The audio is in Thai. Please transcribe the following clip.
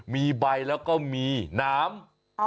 มีใบแล้วก็มีน้ำ